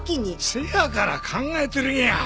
せやから考えてるんや。